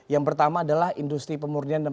yang pertama adalah industri pemurnian dan